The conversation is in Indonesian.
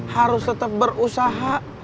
harus tetep berusaha